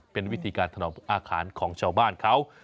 เป็นวิธีการถนอมอาคารของชาวบ้านเขา